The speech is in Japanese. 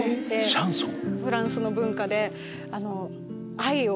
シャンソン？